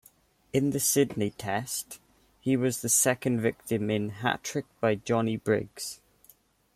In the Sydney Test, he was the second victim in hat-trick by Johnny Briggs.